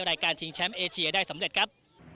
ชิงแชมป์เอเชียได้สำเร็จครับ